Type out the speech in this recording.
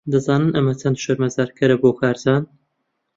دەزانن ئەمە چەند شەرمەزارکەرە بۆ کارزان؟